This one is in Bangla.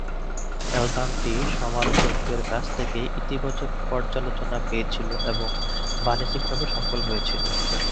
অ্যালবামটি সমালোচকদের কাছ থেকে ইতিবাচক পর্যালোচনা পেয়েছিল এবং বাণিজ্যিকভাবে সফল হয়েছিল।